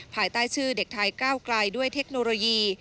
ภายใต้ชื่อเด็กไทยก้าวไกลด้วยเทคโนโลยี